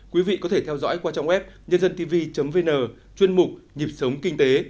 quý vị có thể theo dõi qua trang web nhândântv vn chuyên mục nhịp sống kinh tế